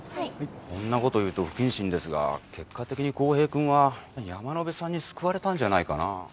こんな事を言うと不謹慎ですが結果的に浩平くんは山野辺さんに救われたんじゃないかな。